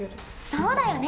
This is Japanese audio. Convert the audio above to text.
そうだよね。